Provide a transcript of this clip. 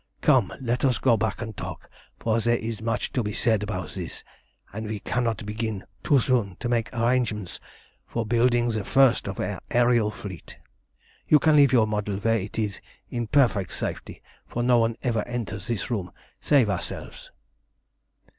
Come, let us go back and talk, for there is much to be said about this, and we cannot begin too soon to make arrangements for building the first of our aërial fleet. You can leave your model where it is in perfect safety, for no one ever enters this room save ourselves."